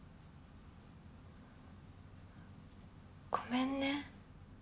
ごめんね。